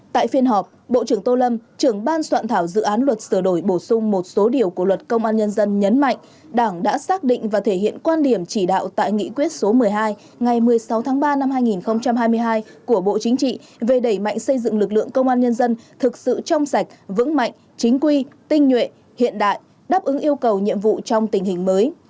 tại phiên họp bộ trưởng tô lâm trưởng ban soạn thảo dự án luật sửa đổi bổ sung một số điều của luật công an nhân dân nhấn mạnh đảng đã xác định và thể hiện quan điểm chỉ đạo tại nghị quyết số một mươi hai ngày một mươi sáu tháng ba năm hai nghìn hai mươi hai của bộ chính trị về đẩy mạnh xây dựng lực lượng công an nhân dân thực sự trong sạch vững mạnh chính quy tinh nhuệ hiện đại đáp ứng yêu cầu nhiệm vụ trong tình hình mới